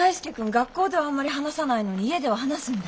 学校ではあんまり話さないのに家では話すんだ。